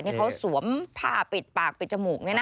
นี่เขาสวมผ้าปิดปากปิดจมูกเนี่ยนะ